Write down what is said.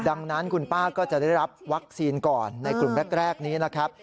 ดังนั้นคุณป้าก็จะได้รับวัคซีนก่อนในกลุ่มแรกนี้นะครับ